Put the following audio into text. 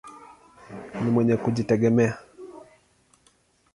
Ni mwenye kujitegemea.